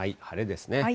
晴れですね。